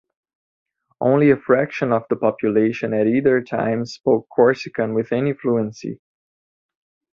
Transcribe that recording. Only a fraction of the population at either time spoke Corsican with any fluency.